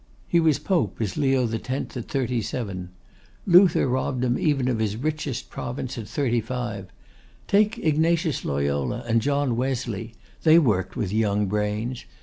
He was Pope as Leo X. at thirty seven. Luther robbed even him of his richest province at thirty five. Take Ignatius Loyola and John Wesley, they worked with young brains.